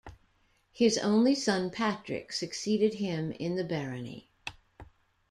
His only son Patrick succeeded him in the barony.